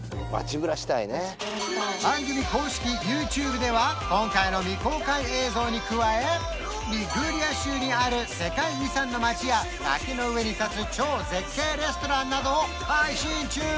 番組公式ＹｏｕＴｕｂｅでは今回の未公開映像に加えリグーリア州にある世界遺産の街や崖の上に立つ超絶景レストランなどを配信中！